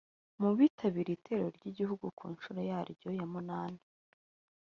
Mu bitabiriye Itorero ry’igihugu ku nshuro yaryo ya munani